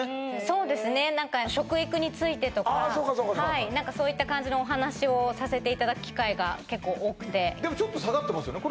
そうですね何かああそうかそうかそうかはいそういった感じのお話をさせていただく機会が結構多くてでもちょっと下がってますよね